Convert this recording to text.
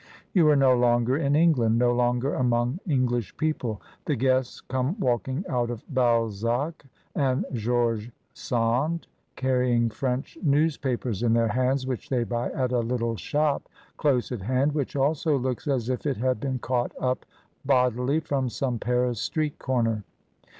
You are no longer in England, no longer among English people. The guests come walking out of Balzac and George Sand, carrying French news papers in their hands which they buy at a little shop, close at hand, which also looks as if it had been caught up bodily from some Paris street comer.